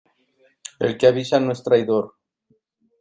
El que avisa no es traidor.